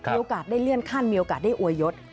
โอกาสได้เลื่อนขั้นมีโอกาสได้อวยยศ